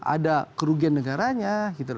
ada kerugian negaranya